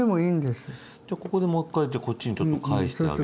じゃあここでもう一回こっちにちょっと返してあげて。